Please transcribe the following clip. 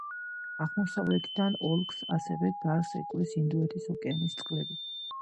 აღმოსავლეთიდან ოლქს ასევე გარს ეკვრის ინდოეთის ოკეანის წყლები.